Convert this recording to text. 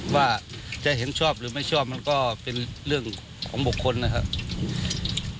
ว่าจะเห็นชอบหรือไม่ชอบมันก็เป็นเรื่องของบุคคลนะครับ